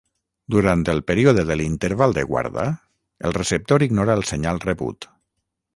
Durant el període de l'interval de guarda, el receptor ignora el senyal rebut.